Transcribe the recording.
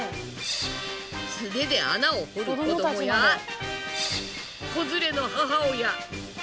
素手で穴を掘る子どもや子連れの母親。